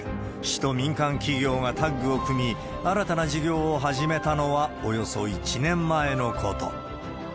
市と民間企業がタッグを組み、新たな事業を始めたのは、およそ１年前のこと。